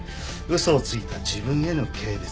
嘘をついた自分への軽蔑。